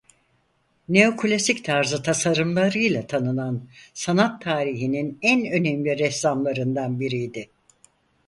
Neoklasik tarzı tasarımlarıyla tanınan sanat tarihinin en önemli ressamlarından biriydi.